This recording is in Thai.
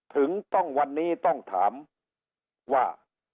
ถึงต้องวันนี้ต้องถามว่า